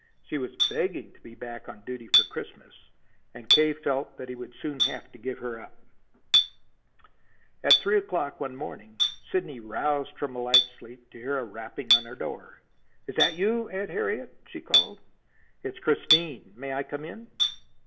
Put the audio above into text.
She was begging to be back on duty for Christmas, and K. felt that he would have to give her up soon. At three o'clock one morning Sidney roused from a light sleep to hear a rapping on her door. "Is that you, Aunt Harriet?" she called. "It's Christine. May I come in?"